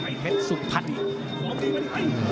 อีกเม็ดสุภัณฑ์อีก